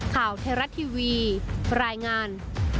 ข่าวไทยรัฐทีวีรายงาน